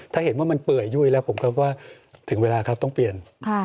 ถ้าเห็นว่ามันเปื่อยยุ่ยแล้วผมก็ถึงเวลาครับต้องเปลี่ยน